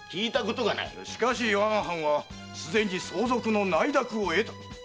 しかし我が藩はすでに相続の内諾を得た。